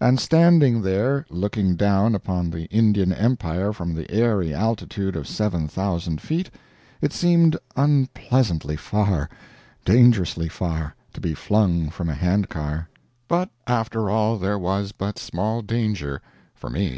And standing there, looking down upon the Indian Empire from the airy altitude of 7,000 feet, it seemed unpleasantly far, dangerously far, to be flung from a handcar. But after all, there was but small danger for me.